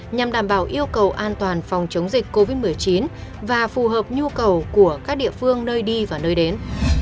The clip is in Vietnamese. nhằm đảm bảo yêu cầu an toàn phòng chống dịch covid một mươi chín và phù hợp nhu cầu của các địa phương nơi đi và nơi đến